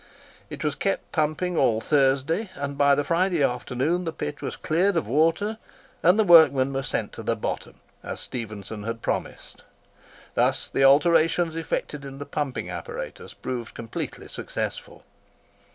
It was kept pumping all Thursday, and by the Friday afternoon the pit was cleared of water, and the workmen were "sent to the bottom," as Stephenson had promised. Thus the alterations effected in the pumping apparatus proved completely successful.